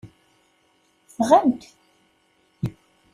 Ffɣent.